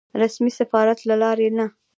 رسمي سفارت له لارې نه.